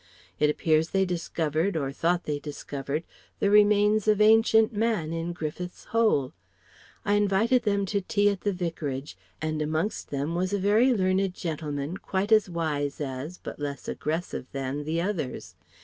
It appears they discovered or thought they discovered the remains of Ancient man in Griffith's Hole. I invited them to tea at the Vicarage and amongst them was a very learned gentleman quite as wise as but less aggressive than the others.